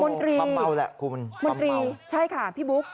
มนตรีมนตรีใช่ค่ะพี่บุ๊ค